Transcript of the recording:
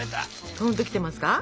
とんときてますか？